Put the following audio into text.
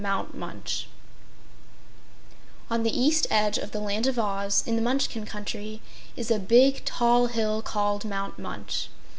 Mount Munch On the east edge of the Land of Oz, in the Munchkin Country, is a big, tall hill called Mount Munch.